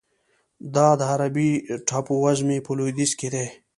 دا د عربي ټاپوزمې په لویدیځ کې دی.